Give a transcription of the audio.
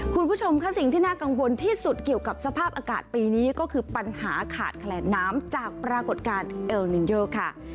คุณผู้ชมค่ะสิ่งที่น่ากังวลที่สุดเกี่ยวกับสภาพอากาศปีนี้ก็คือปัญหาขาดแคลนน้ำจากปรากฏการณ์เอลนินเยอร์ค่ะ